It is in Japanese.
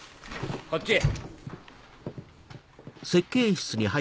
こっちへ。